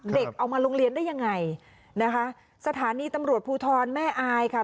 เด็กเอามาโรงเรียนได้ยังไงนะคะสถานีตำรวจภูทรแม่อายค่ะ